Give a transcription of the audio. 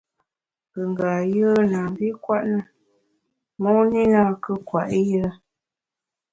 Ngùnga yùe na mvi nkwet na, momvi nankù nkwet yire.